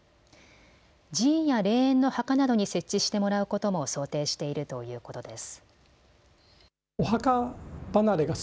寺院や霊園の墓などに設置してもらうことも想定しているということです。